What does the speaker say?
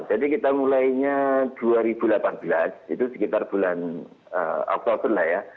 jadi kita mulainya dua ribu delapan belas itu sekitar bulan oktober lah ya